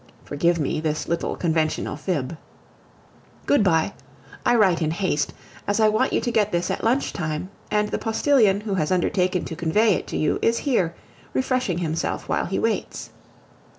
Forgive me this little conventional fib. Good bye. I write in haste, as I want you to get this at lunch time; and the postilion, who has undertaken to convey it to you, is here, refreshing himself while he waits.